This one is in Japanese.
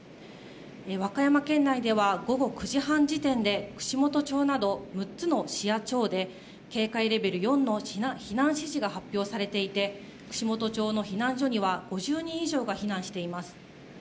和歌山県内では午後９時半時点で串本町など６つの市や町で警戒レベル４の避難指示が発表されていて串本町の避難所には５０人以上が避難しています